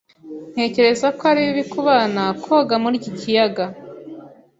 Ntekereza ko ari bibi kubana koga muri iki kiyaga.